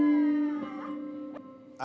yuk yuk wah